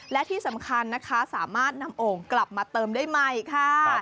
และที่สำคัญนะคะสามารถนำโอ่งกลับมาเติมได้ใหม่ค่ะ